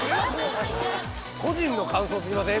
個人の感想すぎません？